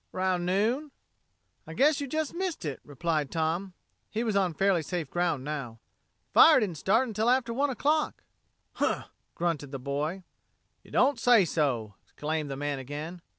"'Round noon." "I guess you just missed it," replied Tom. He was on fairly safe ground now. "The fire didn't start until after one o'clock." "Huh!" grunted the boy. "Y' don't say so!" exclaimed the man again.